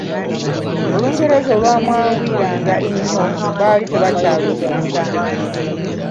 Olungereza olwamwanguyiranga ennyo baali tebakyalusomesa.